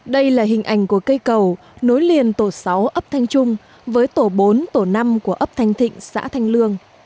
đây là hình ảnh của cây cầu nối liền tổ sáu ấp thanh trung với tổ bốn tổ năm của ấp thanh thịnh xã thanh lương